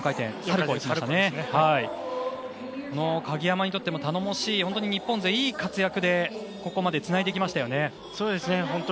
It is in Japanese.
鍵山にとっても頼もしい日本勢のいい活躍があってここまでつないできました。